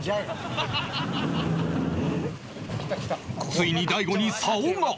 ついに大悟に竿が